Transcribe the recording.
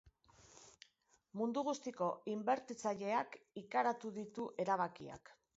Mundu guztiko inbertitzaileak ikaratu ditu erabakiak.